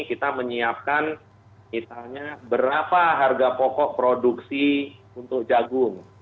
kita menyiapkan misalnya berapa harga pokok produksi untuk jagung